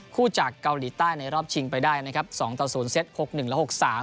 คู่จากเกาหลีใต้ในรอบชิงไปได้นะครับ๒ต่อ๐เซต๖๑และ๖๓